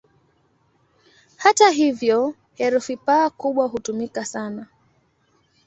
Hata hivyo, herufi "P" kubwa hutumika sana.